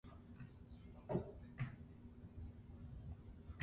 It is the most stable and common allotrope of oxygen.